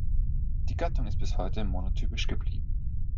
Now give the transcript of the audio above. Die Gattung ist bis heute monotypisch geblieben.